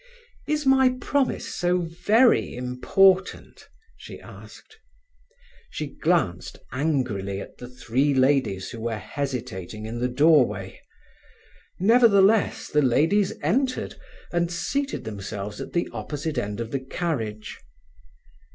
"Is my promise so very important?" she asked. She glanced angrily at the three ladies who were hesitating in the doorway. Nevertheless, the ladies entered, and seated themselves at the opposite end of the carriage.